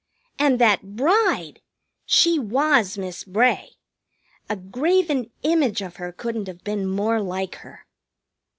And that bride! She was Miss Bray. A graven image of her couldn't have been more like her.